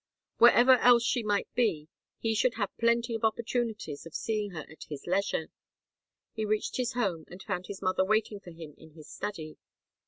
Wherever else she might be, he should have plenty of opportunities of seeing her at his leisure. He reached his home and found his mother waiting for him in his study.